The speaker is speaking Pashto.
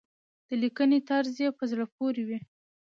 د لیکنې طرز يې په زړه پورې وي.